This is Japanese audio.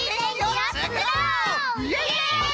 イエイ！